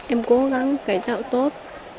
em cố gắng cải tạo tốt